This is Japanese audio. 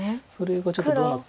それがちょっと。